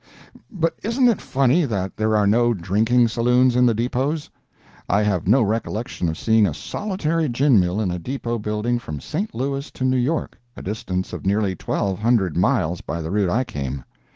But isn't it funny that there are no drinking saloons in the depots? I have no recollection of seeing a solitary gin mill in a depot building from St. Louis to New York—a distance of nearly twelve hundred miles by the route I came.